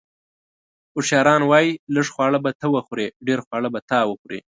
اوښیاران وایي: لږ خواړه به ته وخورې، ډېر خواړه به تا وخوري.